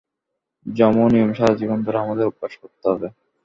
যম ও নিয়ম সারা জীবন ধরে আমাদের অভ্যাস করতে হবে।